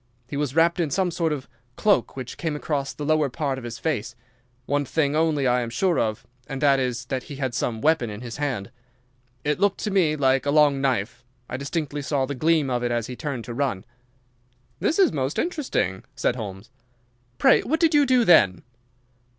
He was wrapped in some sort of cloak which came across the lower part of his face. One thing only I am sure of, and that is that he had some weapon in his hand. It looked to me like a long knife. I distinctly saw the gleam of it as he turned to run." "This is most interesting," said Holmes. "Pray what did you do then?"